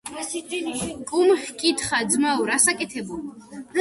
კუმ ჰკითხა:- ძმაო, რას აკეთებო?